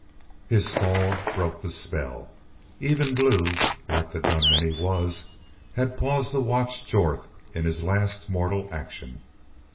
His fall broke the spell. Even Blue, like the gunman he was, had paused to watch Jorth in his last mortal action.